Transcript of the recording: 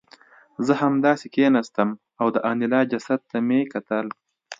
زه همداسې کېناستم او د انیلا جسد ته مې کتل